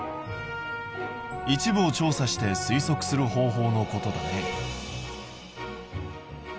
一部を調査して推測する方法のことだね。